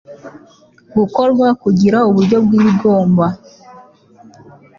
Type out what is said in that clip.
gukorwa kugira uburyo bw ibigomba